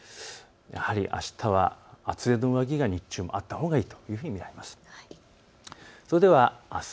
やはりあしたは厚手の上着が日中もあったほうがいいと見られます。